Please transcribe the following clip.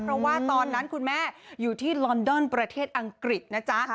เพราะว่าตอนนั้นคุณแม่อยู่ที่ลอนดอนประเทศอังกฤษนะจ๊ะ